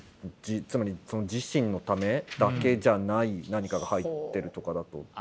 つまり自身のためだけじゃない何かが入ってるとかだと。